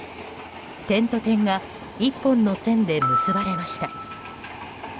点と点が１本の線で結ばれました。